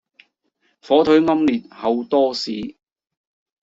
火腿奄列厚多士